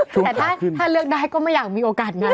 แต่ถ้าเลือกได้ก็ไม่อยากมีโอกาสงาน